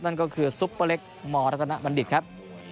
นั่นก็คือซุปเปอร์เล็กมรัตนบัณฑิตครับ